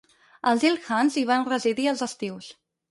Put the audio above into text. Els Il-khans hi van residir als estius.